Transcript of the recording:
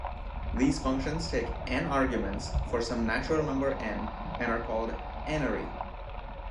These functions take "n" arguments for some natural number "n" and are called "n"-ary.